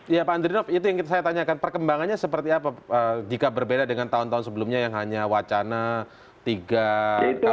ya pak andrinov itu yang saya tanyakan perkembangannya seperti apa jika berbeda dengan tahun tahun sebelumnya yang hanya wacana tiga tahun